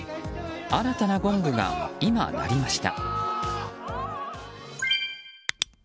新たなゴングが今、鳴りました。